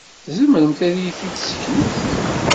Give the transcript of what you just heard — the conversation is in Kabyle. Tzemremt ad iyi-t-id-tesseknemt?